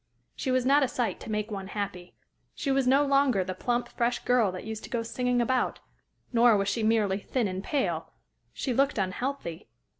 She was not a sight to make one happy. She was no longer the plump, fresh girl that used to go singing about; nor was she merely thin and pale, she looked unhealthy.